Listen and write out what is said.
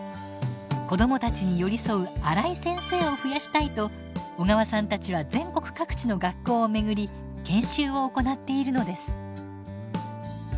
子どもたちに寄り添うアライ先生を増やしたいと小川さんたちは全国各地の学校を巡り研修を行っているのです。